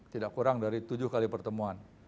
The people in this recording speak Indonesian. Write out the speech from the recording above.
tidak kurang dari tujuh kali pertemuan